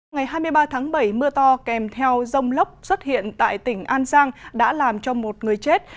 ngày hai mươi ba tháng bảy mưa to kèm theo rông lốc xuất hiện tại tỉnh an giang đã làm cho một người chết